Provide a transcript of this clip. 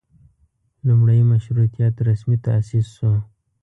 لومړۍ مشروطیت رسمي تاسیس شو.